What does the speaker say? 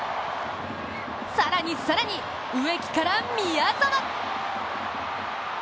更に更に、植木から宮澤。